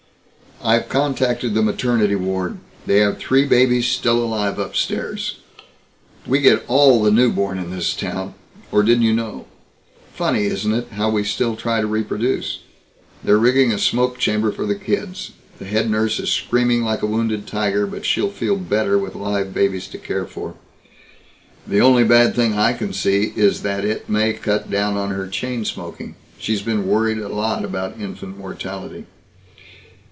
"I've contacted the maternity ward. They have three babies still alive upstairs. We get all the newborn in this town, or didn't you know. Funny, isn't it, how we still try to reproduce. They're rigging a smoke chamber for the kids. The head nurse is screaming like a wounded tiger, but she'll feel better with live babies to care for. The only bad thing I can see is that it may cut down on her chain smoking. She's been worried a lot about infant mortality.